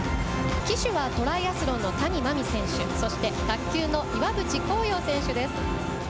旗手はトライアスロンの谷真海選手、そして卓球の岩渕幸洋選手です。